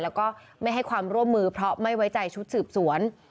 แล้วก็ไม่ให้ความร่วมมือเพราะไม่ไว้ใจชุดสืบสวน